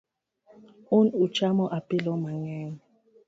Un uchamo apilo mangeny